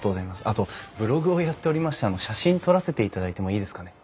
あとブログをやっておりまして写真撮らせていただいてもいいですかね？